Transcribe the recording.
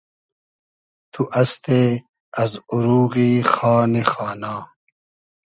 تو استې از اوروغی خانی خانا